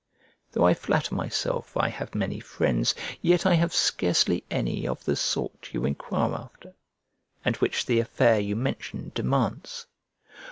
Though I flatter myself I have many friends, yet I have scarcely any of the sort you enquire after, and which the affair you mention demands.